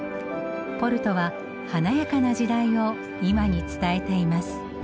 ポルトは華やかな時代を今に伝えています。